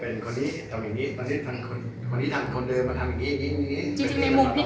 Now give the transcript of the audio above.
ผมก็รู้เรื่องมาตลอดว่าเอ่อตอนนี้ฉันจะเป็นคนนี้